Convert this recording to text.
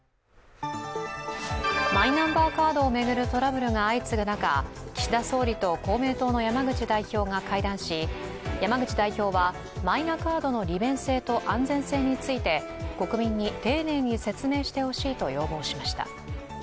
マイナンバーカードを巡るトラブルが相次ぐ中、岸田総理と公明党の山口代表が会談し、山口代表は、マイナカードの利便性と安全性について国民に丁寧に説明してほしいと要望しました。